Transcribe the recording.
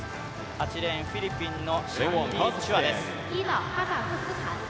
８レーン、フィリピンのシャンディ・チュアです。